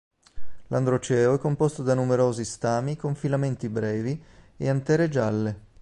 L'androceo è composto da numerosi stami con filamenti brevi e antere gialle.